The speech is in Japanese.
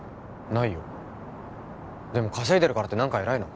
ないよでも稼いでるからって何か偉いの？